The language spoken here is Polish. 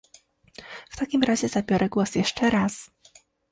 W takim razie zabiorę głos jeszcze raz